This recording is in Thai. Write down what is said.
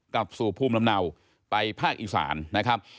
กลับสู่ภูมิลำเนาไปภาคอีสานนะครับ